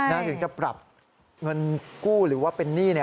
ถึงจะปรับเงินกู้หรือว่าเป็นหนี้